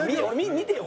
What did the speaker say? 見てよ